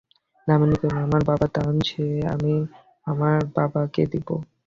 দামিনী কহিল, আমার বাবার দান, সে আমি আমার বাবাকে দিব।